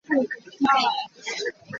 Thinghnah cu an hring.